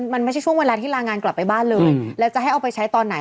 มันไม่ใช่ช่วงเวลาที่ลางานกลับไปบ้านเลยแล้วจะให้เอาไปใช้ตอนไหน